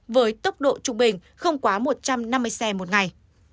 với tốc độ trung bình không quá một trăm năm mươi xe một ngày